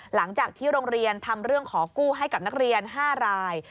หลังจากที่โรงเรียนทำเรื่องขอกู้ให้กับนักเรียน๕ราย